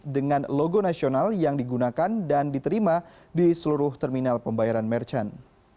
dengan logo nasional yang digunakan dan diterima di seluruh terminal pembayaran merchant